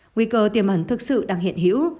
nguy cơ tiềm hẳn thực sự đang hiện hữu